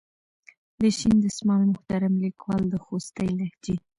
د شین دسمال محترم لیکوال د خوستي لهجې.